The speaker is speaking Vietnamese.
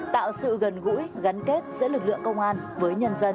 tạo sự gần gũi gắn kết giữa lực lượng công an với nhân dân